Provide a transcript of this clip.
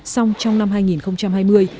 song trong năm hai nghìn hai mươi